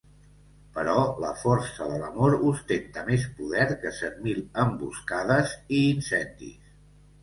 Però la força de l'amor ostenta més poder que cent mil emboscades i incendis.